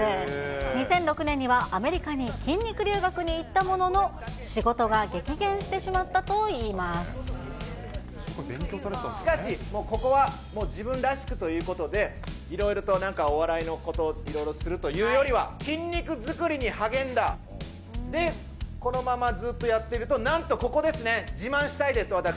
２００６年にはアメリカに筋肉留学に行ったものの、仕事が激減ししかし、もうここはもう自分らしくということで、いろいろとなんかお笑いのこと、いろいろするというよりは、筋肉作りに励んだ、で、このままずっとやってると、なんとここですね、自慢したいです、私。